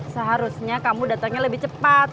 seharusnya kamu datangnya lebih cepat